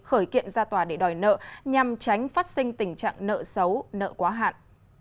khởi kiện ra tòa để đòi nợ nhằm tránh phát sinh tình trạng nợ xấu nợ quá hạn